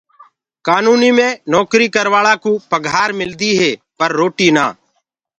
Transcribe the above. ڪآنوُنو مي نوڪري ڪروآݪڪوُ پگھآر ملدي هي پر روٽي نآ۔